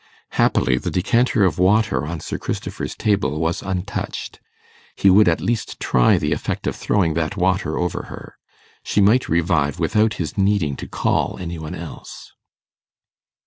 Happily the decanter of water on Sir Christopher's table was untouched. He would at least try the effect of throwing that water over her. She might revive without his needing to call any one else.